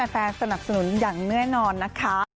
แฟนสนับสนุนอย่างแน่นอนนะคะ